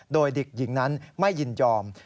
โดยเด็กหญิงนั้นไม่ยินยอม